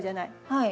はい。